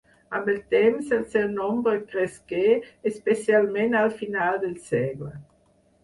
Amb el temps, el seu nombre cresqué, especialment al final del segle.